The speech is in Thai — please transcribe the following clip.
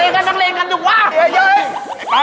นักเรงี๊มมาจุดเว่าะ